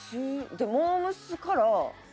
でもモー娘。から。